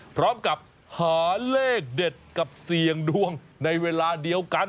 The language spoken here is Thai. พร้อมกับหาเลขเด็ดกับเสี่ยงดวงในเวลาเดียวกัน